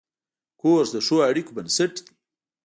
کورس د ښو اړیکو بنسټ دی.